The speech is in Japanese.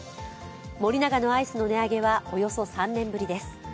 森永のアイスの値上げはおよそ３年ぶりです。